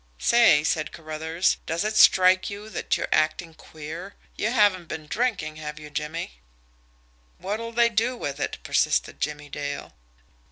"Say," said Carruthers, "does it strike you that you're acting queer? You haven't been drinking, have you, Jimmie?" "What'll they do with it?" persisted Jimmie Dale.